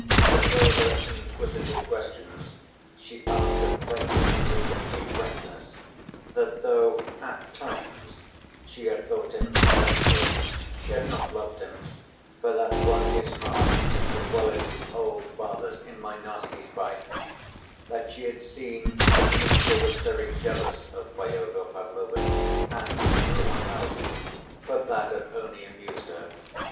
To further inquisitive questions she answered plainly and with complete frankness, that, though "at times" she had thought him attractive, she had not loved him, but had won his heart as well as his old father's "in my nasty spite," that she had seen that Mitya was very jealous of Fyodor Pavlovitch and every one else; but that had only amused her.